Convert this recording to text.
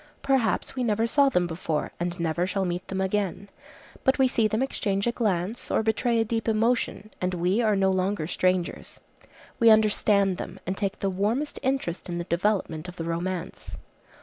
Perhaps we never saw them before, and never shall meet them again. But we see them exchange a glance, or betray a deep emotion, and we are no longer strangers. We understand them, and take the warmest interest in the development of the romance.